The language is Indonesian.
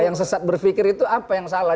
yang sesat berpikir itu apa yang salah